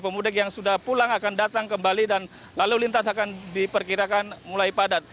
pemudik yang sudah pulang akan datang kembali dan lalu lintas akan diperkirakan mulai padat